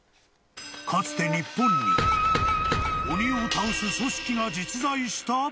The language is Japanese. かつて日本に鬼を倒す組織が実在した？